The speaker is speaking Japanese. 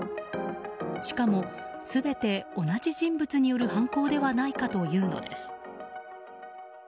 しかも、全て同じ人物による犯行ではないかというのです。